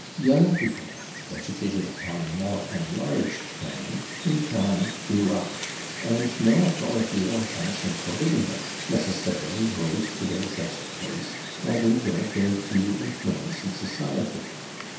Young people, educated upon a more enlarged plan, in time grew up; and, no authority or fashion forbidding it, necessarily rose to their just place, and enjoyed their due influence in society.